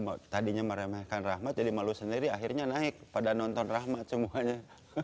karena dia tadinya meremehkan rahmat jadi malu sendiri akhirnya naik pada nonton rahmat semuanya